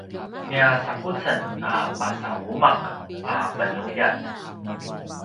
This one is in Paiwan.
nia sakucen a pasauma’ a penuljat